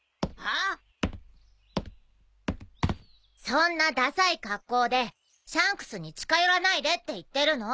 そんなダサい格好でシャンクスに近寄らないでって言ってるの。